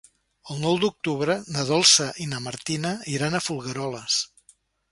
El nou d'octubre na Dolça i na Martina iran a Folgueroles.